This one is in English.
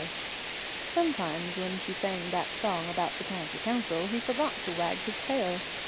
[Illustration: "SOMETIMES, WHEN SHE SANG THAT SONG ABOUT THE COUNTY COUNCIL, HE FORGOT TO WAG HIS TAIL."